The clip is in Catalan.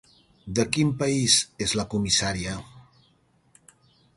De quin país és la comissària?